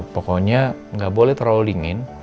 pokoknya nggak boleh terlalu dingin